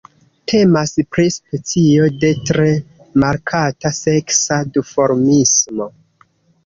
Temas pri specio de tre markata seksa duformismo.